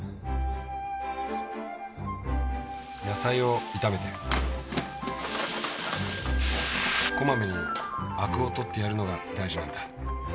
・野菜を炒めて・こまめに灰汁を取ってやるのが大事なんだ